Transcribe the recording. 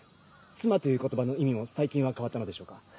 「妻」という言葉の意味も最近は変わったのでしょうか？